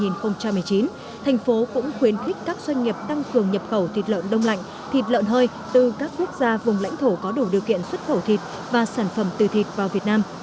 tp hcm cũng khuyến khích các doanh nghiệp tăng cường nhập khẩu thịt lợn đông lạnh thịt lợn hơi từ các quốc gia vùng lãnh thổ có đủ điều kiện xuất khẩu thịt và sản phẩm từ thịt vào việt nam